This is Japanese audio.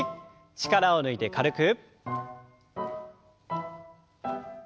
力を抜いて軽く。